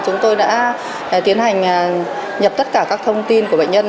chúng tôi đã tiến hành nhập tất cả các thông tin của bệnh nhân